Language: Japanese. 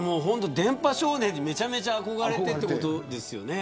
電波少年に、めちゃめちゃ憧れてということですよね。